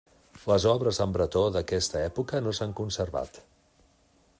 Les obres en bretó d'aquesta època no s'han conservat.